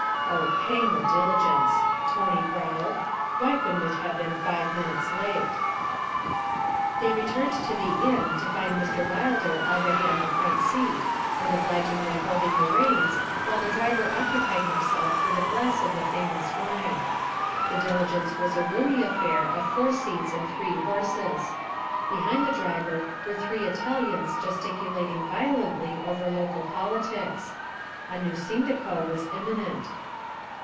'Oh, hang the diligence!' Tony growled. 'Why couldn't it have been five minutes late?' They returned to the inn to find Mr. Wilder already on the front seat, and obligingly holding the reins, while the driver occupied himself with a glass of the famous wine. The diligence was a roomy affair of four seats and three horses. Behind the driver were three Italians gesticulating violently over local politics; a new sindaco was imminent.